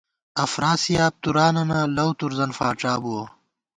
افراسیاب تُوراننہ ، لَؤ تُورزَن فاڄا بُوَہ